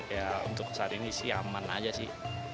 ya untuk saat ini sih aman aja sih